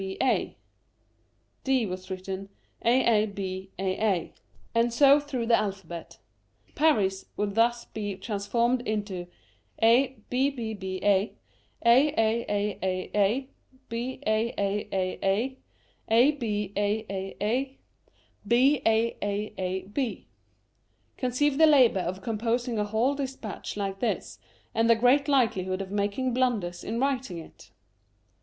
aabaa 23 Curiosities of Olden Times and so through the alphabet. Paris would thus be transformed into abbba^ aaaaa^ baaaUy abaaa^ baaab. Conceive the labour of composing a whole despatch like this, and the great likelihood of making blunders in writing it